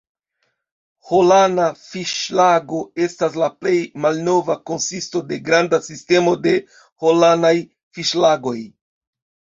Holana fiŝlago estas la plej malnova konsisto de granda sistemo de Holanaj fiŝlagoj.